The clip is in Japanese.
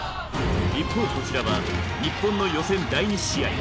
一方こちらは日本の予選第２試合。